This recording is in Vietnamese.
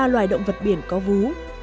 một mươi ba loài động vật biển có vú